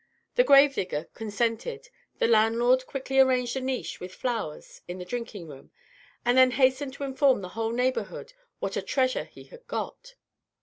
The gravedigger consented; the landlord quickly arranged a niche with flowers in the drinking room, and then hastened to inform the whole neighbourhood what a treasure he had got.